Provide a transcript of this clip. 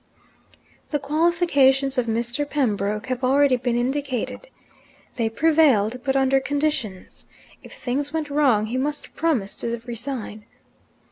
The qualifications of Mr. Pembroke have already been indicated. They prevailed but under conditions. If things went wrong, he must promise to resign.